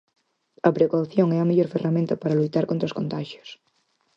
A precaución é a mellor ferramenta para loitar contra os contaxios.